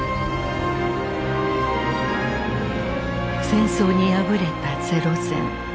戦争に敗れた零戦。